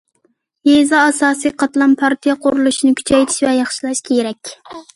يېزا ئاساسىي قاتلام پارتىيە قۇرۇلۇشىنى كۈچەيتىش ۋە ياخشىلاش كېرەك.